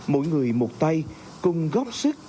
mỗi người một tay cùng góp sức